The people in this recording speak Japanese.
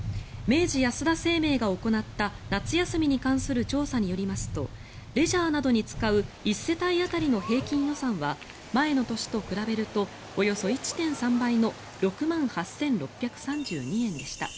明治安田生命が行った夏休みに関する調査によりますとレジャーなどに使う１世帯当たりの平均予算は前の年と比べるとおよそ１．３倍の６万８６３２円でした。